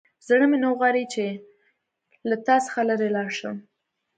زړه مې نه غواړي چې له تا څخه لیرې لاړ شم.